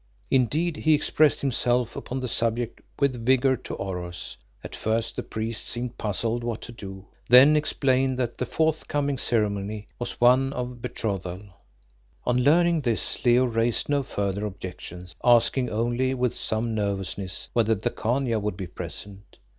Indeed he expressed himself upon the subject with vigour to Oros. At first the priest seemed puzzled what to do, then explained that the forthcoming ceremony was one of betrothal. On learning this Leo raised no further objections, asking only with some nervousness whether the Khania would be present.